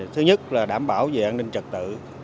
thứ nhất là đảm bảo về an ninh trật tự